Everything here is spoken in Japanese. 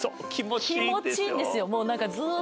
気持ちいいんですよ。